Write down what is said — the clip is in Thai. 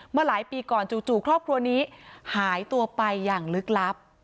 หลายปีก่อนจู่ครอบครัวนี้หายตัวไปอย่างลึกลับ